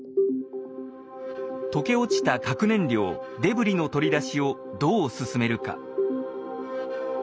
溶け落ちた核燃料デブリの取り出しをどう進めるか。